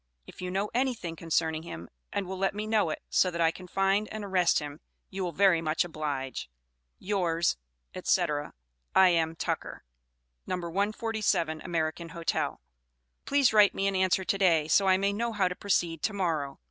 If you know anything concerning him and will let me know it, so that I can find and arrest him, you will very much oblige Yours, &c., I.M. TUCKER. No. 147 American Hotel. Please write me an answer to day, so I may know how to proceed to morrow.